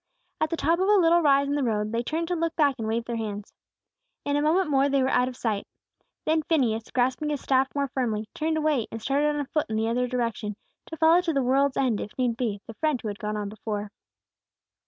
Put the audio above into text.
At the top of a little rise in the road, they turned to look back and wave their hands. In a moment more they were out of sight. Then Phineas, grasping his staff more firmly, turned away, and started on foot in the other direction, to follow to the world's end, if need be, the friend who had gone on before.